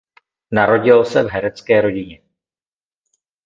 Narodil se v herecké rodině.